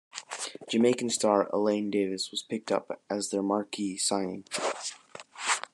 Jamaican star Elaine Davis was picked up as their marquee signing.